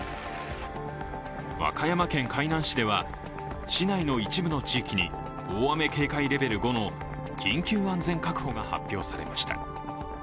和歌山県海南市では市内の一部の地域に大雨警戒レベル５の緊急安全確保が発表されました。